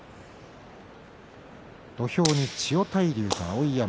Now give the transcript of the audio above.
土俵に千代大龍と碧山。